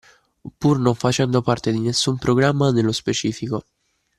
Pur non facendo parte di nessun programma nello specifico